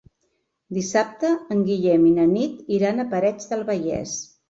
Dissabte en Guillem i na Nit iran a Parets del Vallès.